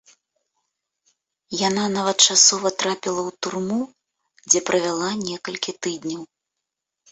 Яна нават часова трапіла ў турму, дзе правяла некалькі тыдняў.